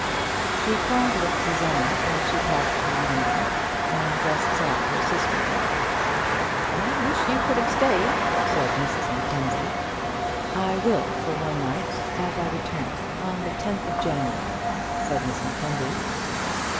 She called with Susanna as she passed through London, and just saw her sister in law. "I wish you could have stayed," said Mrs Mackenzie. "I will for one night, as I return, on the 10th of January," said Miss Mackenzie.